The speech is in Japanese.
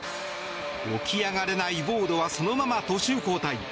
起き上がれないウォードはそのまま途中交代。